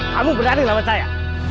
kamu berani lawan saya